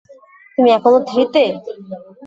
তুমি এখনও থ্রি তে?